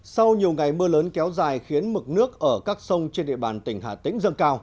sau nhiều ngày mưa lớn kéo dài khiến mực nước ở các sông trên địa bàn tỉnh hà tĩnh dâng cao